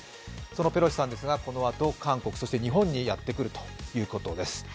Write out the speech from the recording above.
そのペロシさんですが、このあと韓国、そして日本にやってくるということです。